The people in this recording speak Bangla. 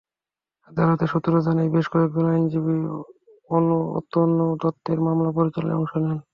আদালত সূত্র জানায়, বেশ কয়েকজন আইনজীবী অতনু দত্তের মামলা পরিচালনায় অংশ নেন।